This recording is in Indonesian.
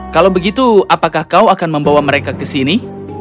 kalau begitu apakah kau akan membawa mereka ke sini